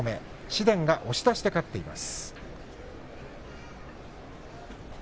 紫雷が押し出しで勝っています。